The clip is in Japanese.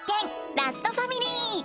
ラストファミリー」。